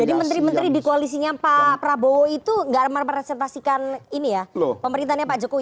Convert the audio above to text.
jadi menteri menteri di koalisinya pak prabowo itu gak merepresentasikan ini ya pemerintahnya pak jokowi